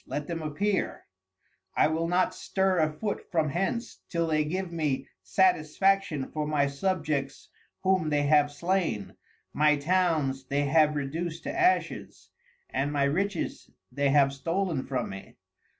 Let them appear, I will not stir a foot from hence till they give me satisfaction for my Subjects whom they have slain, my Towns they have reduc'd to Ashes, and my Riches they have stoln from me.